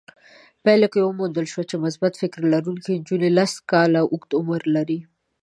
پايلو کې وموندل شوه چې مثبت فکر لرونکې نجونې لس کاله اوږد عمر لري.